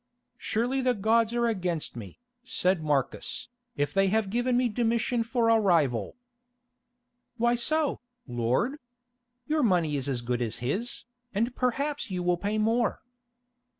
"Surely the gods are against me," said Marcus, "if they have given me Domitian for a rival." "Why so, lord? Your money is as good as his, and perhaps you will pay more."